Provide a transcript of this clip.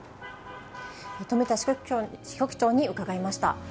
富田支局長に伺いました。